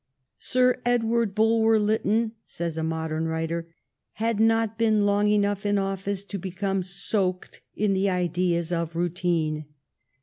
" Sir Edward Bulwer Lytton," says a modern writer, "had not been long enough in office to become soaked in the ideas of routine.